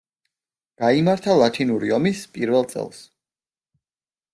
გაიმართა ლათინური ომის პირველ წელს.